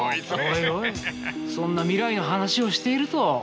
おいおいそんな未来の話をしていると。